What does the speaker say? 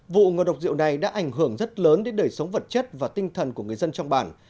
vụ ngộ độc rượu này đã ảnh hưởng rất lớn đến đời sống vật chất và tinh thần của người dân trong bản